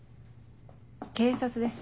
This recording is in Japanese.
警察です。